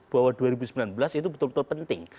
bahwa dua ribu sembilan belas itu betul betul penting